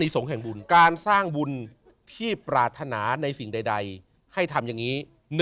สร้างบุญที่ปรารถนาในสิ่งใดให้ทำอย่างนี้